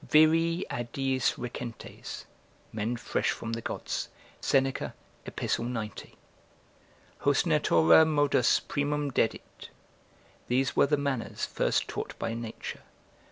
"Viri a diis recentes." ["Men fresh from the gods." Seneca, Ep., 90.] "Hos natura modos primum dedit." ["These were the manners first taught by nature."